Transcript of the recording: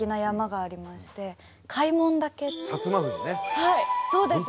はいそうです！